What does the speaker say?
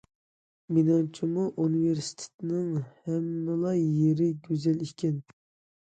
مېنىڭچىمۇ ئۇنىۋېرسىتېتنىڭ ھەممىلا يېرى گۈزەل ئىكەن.